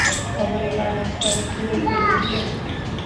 খবরের কাগজটা ছুঁড়ে ফেলে দিলেন।